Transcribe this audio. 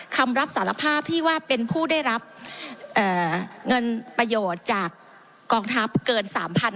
คำรับสารภาพที่ว่าเป็นผู้ได้รับเงินประโยชน์จากกองทัพเกิน๓๐๐๐